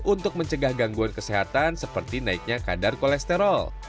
untuk mencegah gangguan kesehatan seperti naiknya kadar kolesterol